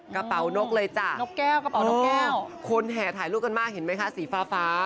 กระเป๋านกเลยจ้ะเออคนแห่ถ่ายลูกกันมากเห็นไหมคะสีฟ้า